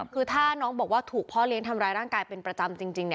คือถ้าน้องบอกว่าถูกพ่อเลี้ยงทำร้ายร่างกายเป็นประจำจริง